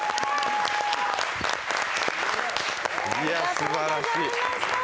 すばらしい。